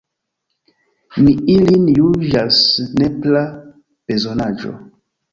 Mi ilin juĝas nepra bezonaĵo.